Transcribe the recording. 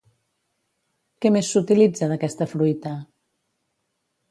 Què més s'utilitza d'aquesta fruita?